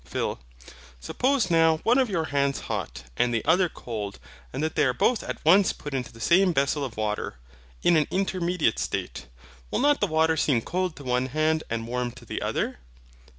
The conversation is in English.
PHIL. Suppose now one of your hands hot, and the other cold, and that they are both at once put into the same vessel of water, in an intermediate state; will not the water seem cold to one hand, and warm to the other?